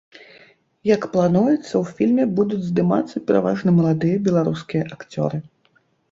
Як плануецца, у фільме будуць здымацца пераважна маладыя беларускія акцёры.